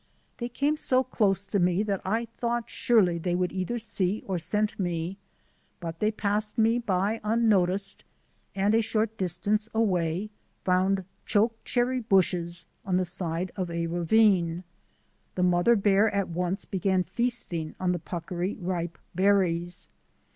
They came so close to me that I thought surely they would either see or scent me, but they passed me by unnoticed and a short distance away found chokecherry bushes on the side of a ravine. The mother bear at once began feasting on the puckery ripe berries.